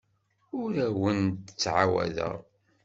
Ur awen-d-ttɛawadeɣ.